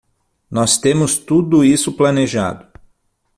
Nós temos tudo isso planejado.